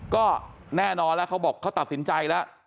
ก็แน่นอนแล้วเขาบอกเขาตัดสินใจแล้ว